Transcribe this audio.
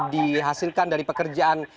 dihasilkan dari pekerjaan